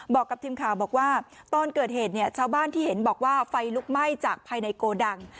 บอกกับทีมข่าวบอกว่าตอนเกิดเหตุเนี่ยชาวบ้านที่เห็นบอกว่าไฟลุกไหม้จากภายในโกดัง